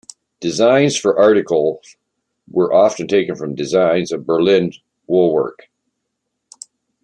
Designs for articles were often taken from designs of Berlin wool work.